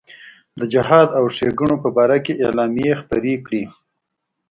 د جهاد او ښېګڼو په باره کې اعلامیې خپرې کړې.